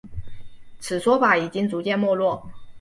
此说法已经逐渐没落。